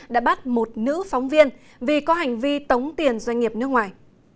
đã bắt một nữ phóng viên vì có hành vi tống tiền doanh nghiệp nước ngoài